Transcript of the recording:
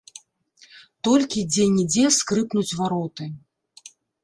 Толькі дзе-нідзе скрыпнуць вароты.